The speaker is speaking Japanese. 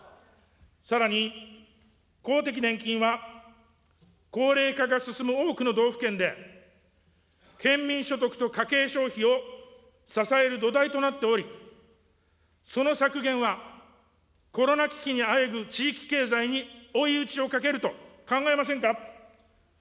さらに、公的年金は高齢化が進む多くの道府県で、県民所得と家計消費を支える土台となっており、その削減は、コロナ危機にあえぐ地域経済に追い打ちをかけると考えませんか。